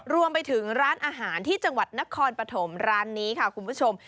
รวมไปถึงร้านอาหารที่จังหวัดนครปฐมร้านนี้ค่ะคุณผู้ชม